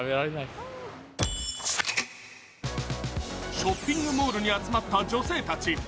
ショッピングモールに集まった女性たち。